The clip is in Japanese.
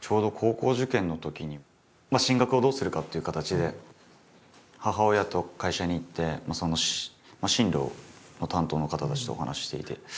ちょうど高校受験のときに進学をどうするかっていう形で母親と会社に行って進路の担当の方たちとお話ししていて。